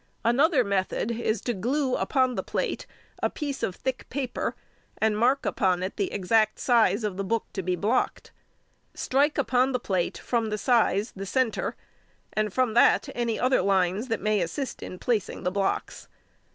Another method is to glue upon the plate a piece of thick paper and mark upon it the exact size of the book to be blocked. Strike upon the plate from the size the centre, and from that any other lines that may assist in placing the blocks.